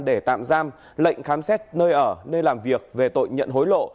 để tạm giam lệnh khám xét nơi ở nơi làm việc về tội nhận hối lộ